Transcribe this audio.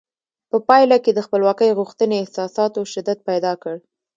په پایله کې د خپلواکۍ غوښتنې احساساتو شدت پیدا کړ.